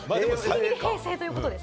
平成ということです。